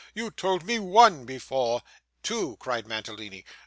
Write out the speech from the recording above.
'You told me one before!' 'Two!' cried Mantalini.